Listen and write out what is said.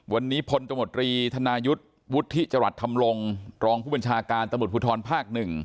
วันนี้พลตมตรีธนายุทธิจังหวัดถำรงรองผู้บัญชาการตมตรภูทรภาค๑